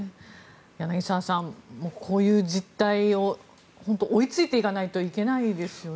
柳澤さん、こういう実態を本当に追いついていかないといけないですよね。